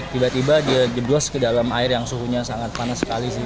tiba tiba dia geblos ke dalam air yang suhunya sangat panas sekali sih